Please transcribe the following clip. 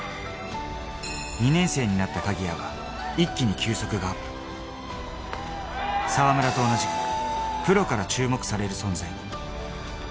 ２年生になった鍵谷は一気に球速が澤村と同じく、プロから注目される存在に。